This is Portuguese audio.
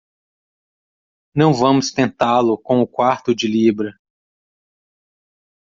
Não vamos tentá-lo com o quarto de libra.